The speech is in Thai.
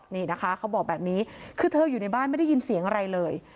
นี่นะคะเขาบอกแบบนี้คือเธออยู่ในบ้านไม่ได้ยินเสียงอะไรเลย